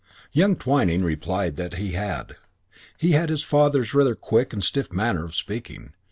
Young Twyning replied that he had. He had his father's rather quick and stiff manner of speaking.